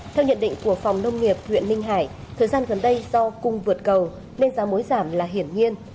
theo nhận định của phòng nông nghiệp huyện ninh hải thời gian gần đây do cung vượt cầu nên giá muối giảm là hiển nhiên